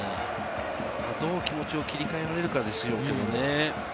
どう気持ちを切り替えられるかですよね。